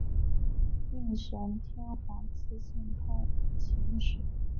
应神天皇赐姓太秦氏。